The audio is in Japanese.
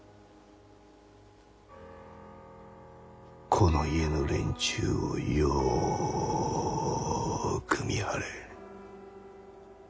この家の連中をよく見張れ。